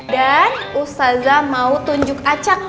dan ustazah mau tunjuk acak